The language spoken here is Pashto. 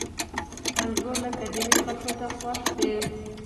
• انګور له قديمه خلکو ته خوښ دي.